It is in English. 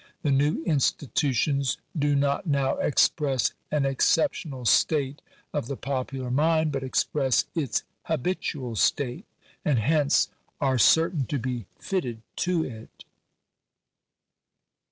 The new institutions do not now express an exceptional state of the popular mind, but express its habitual state, and hence are certain to be fitted to. it.